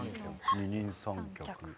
二人三脚。